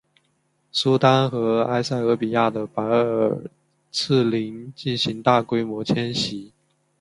苏丹和埃塞俄比亚的白耳赤羚进行大规模迁徙。